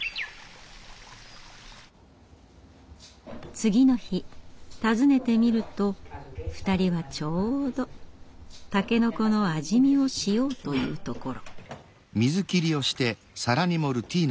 次の日訪ねてみると２人はちょうどタケノコの味見をしようというところ。